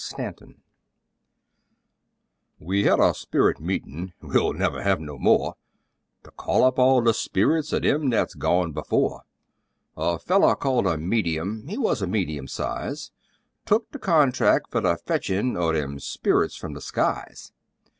STANTON We had a sperrit meetin' (we'll never have no more!) To call up all the sperrits of them that's "gone before." A feller called a "medium" (he wuz of medium size), Took the contract fer the fetchin' o' them sperrits from the skies.